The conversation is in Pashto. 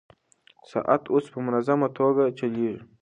ساعت اوس په منظمه توګه چلېږي.